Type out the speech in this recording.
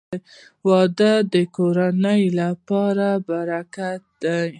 • واده د کورنۍ لپاره برکت دی.